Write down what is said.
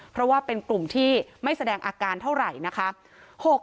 เพราะว่าเป็นกลุ่มที่ไม่แสดงอาการเท่าไหร่นะคะ